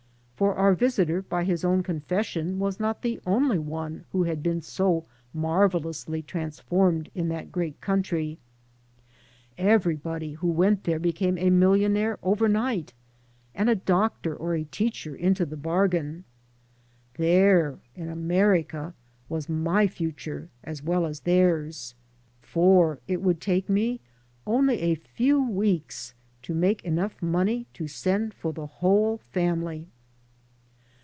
For our visitor, by his own confession, was not the only one who had been so marvelously transformed in that great country. Everybody who went there became a millionaire overnight, and a doctor or a teacher into the bargain. There, in America, wa^ my future as well as theirs. For it would take me only a few weeks to make enou^ money to send for the whole family.